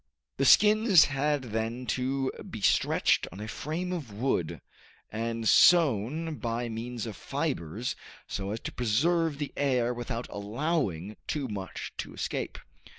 The skins had then to be stretched on a frame of wood and sewn by means of fibers so as to preserve the air without allowing too much to escape.